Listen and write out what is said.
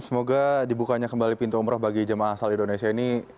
semoga dibukanya kembali pintu umroh bagi jemaah asal indonesia ini